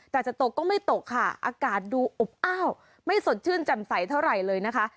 แต่จะตกก็ไม่ตกค่ะอากาศดูอบอ้าวไม่สดชื่นจำใสเท่าไหร่เลยนะคะ